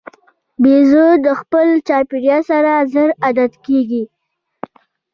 بیزو د خپل چاپېریال سره ژر عادت کېږي.